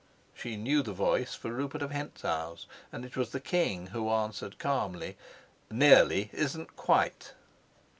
She knew the voice for Rupert of Hentzau's, and it was the king who answered calmly, "Nearly isn't quite."